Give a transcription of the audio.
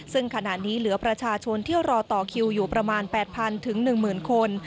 ซึ่งขณะนี้เหลือประชาชนที่รอต่อคิวอยู่ประมาณ๘๐๐๑๐๐คน